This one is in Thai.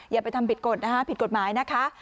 อย่าไปทำผิดกฎนะคะผิดกฎหมายนะคะ